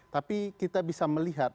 tapi kita bisa melihat